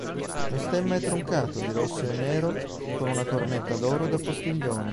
Lo stemma è troncato, di rosso e nero, con una cornetta d'oro da postiglione.